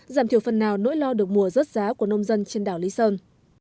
giảm thiểu phần nào nỗi lo được mùa rớt giá của nông dân trên đảo lý sơn